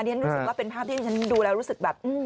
ฉันรู้สึกว่าเป็นภาพที่ฉันดูแล้วรู้สึกแบบ